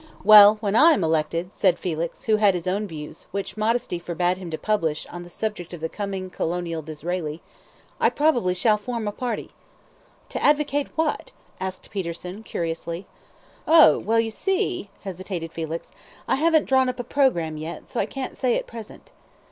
"Well, when I am elected," said Felix, who had his own views, which modesty forbade him to publish, on the subject of the coming colonial Disraeli, "I probably shall form a party." "To advocate what?" asked Peterson, curiously. "Oh, well, you see," hesitated Felix, "I haven't drawn up a programme yet, so can't say at present."